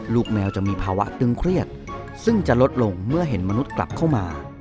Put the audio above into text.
แมวจะมีภาวะตึงเครียดซึ่งจะลดลงเมื่อเห็นมนุษย์กลับเข้ามา